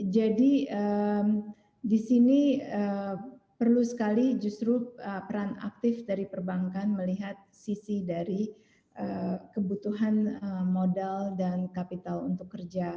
jadi di sini perlu sekali justru peran aktif dari perbankan melihat sisi dari kebutuhan modal dan kapital untuk kerja